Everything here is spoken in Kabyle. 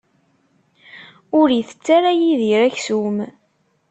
Ur itett ara Yidir aksum.